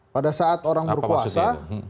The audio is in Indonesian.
pada saat orang berkuasa